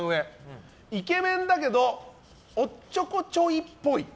イケメンだけどおっちょこちょいっぽい。